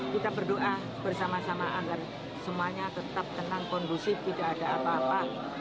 kita berdoa bersama sama agar semuanya tetap tenang kondusif tidak ada apa apa